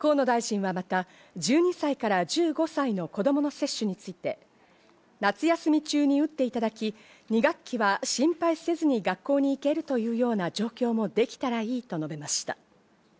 河野大臣はまた、１２歳から１５歳の子供の接種について、夏休み中に打っていただき、２学期は心配せずに学校に行けるというような状況もできたらいいと述べました。